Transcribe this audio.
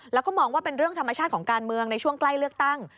แล้วก็มองว่าเป็นเรื่องธรรมชาติของการเมืองในช่วงใกล้เลือกตั้ง